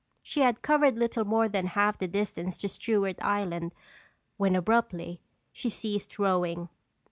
She had covered little more than half the distance to Stewart Island, when abruptly, she ceased rowing.